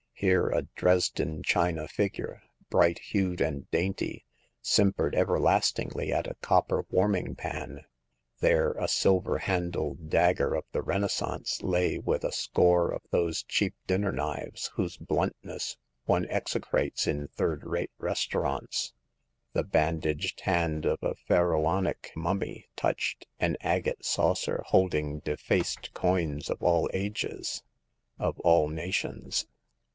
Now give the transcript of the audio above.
Here a Dresden china figure, bright hued and dainty, simpered everlastingly at a copper warming pan ; there a silver handled dagger of the Renaissance lay with a score of those cheap dinner knives whose bluntness one execrates in third rate restaurants. The band aged hand of a Pharaohonic mummy touched an agate saucer holding defaced coins of all ages, of all nations.